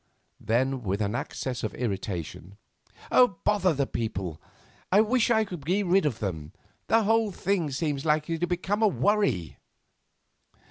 Then, with an access of irritation, "Bother the people! I wish I could be rid of them; the whole thing seems likely to become a worry."